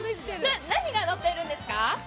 何がのっているんですか？